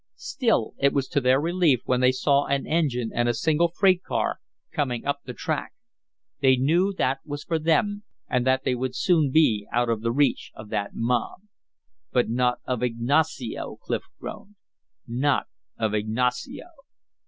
Still it was to their relief when they saw an engine and a single freight car coming up the track. They knew that was for them and that they would soon be out of the reach of that mob. "But not of Ignacio!" Clif groaned. "Not of Ignacio."